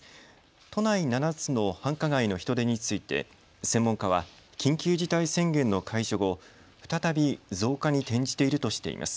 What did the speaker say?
都内７つの繁華街の人出について専門家は緊急事態宣言の解除後再び増加に転じているとしています。